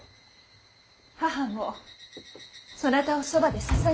母もそなたをそばで支えましょう。